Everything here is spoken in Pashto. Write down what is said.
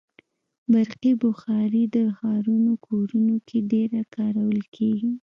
برقي بخاري د ښارونو کورونو کې ډېره کارول کېږي.